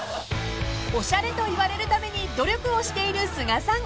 ［おしゃれと言われるために努力をしている須賀さん］